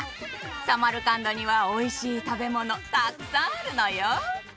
サマルカンドにはおいしい食べ物たっくさんあるのよ。